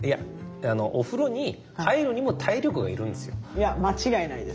いや間違いないです。